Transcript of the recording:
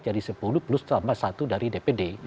jadi sepuluh plus tambah satu dari dpd